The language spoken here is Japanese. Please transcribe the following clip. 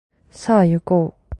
さあいこう